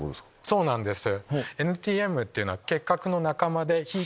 そうなんです。